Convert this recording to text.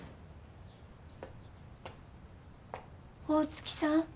大月さん？